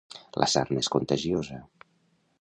La sarna és contagiosa.